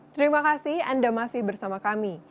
terima kasih anda masih bersama kami